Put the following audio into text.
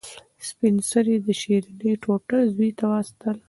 سپین سرې د شیرني ټوټه زوی ته وساتله.